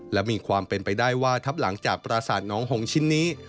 และมีความเป็นไปได้ว่าทับหลังจากปราสาทน้องหงชิ้นนี้